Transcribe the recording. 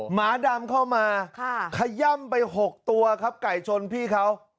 หมาดำเข้ามาขย่ำไป๖ตัวครับไก่ชนพี่เขา